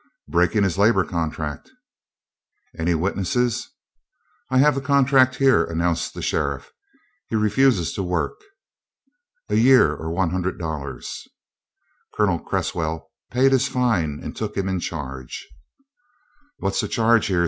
"Breaking his labor contract." "Any witnesses?" "I have the contract here," announced the sheriff. "He refuses to work." "A year, or one hundred dollars." Colonel Cresswell paid his fine, and took him in charge. "What's the charge here?"